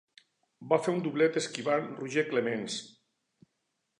Va fer un doblet esquivant Roger Clemens.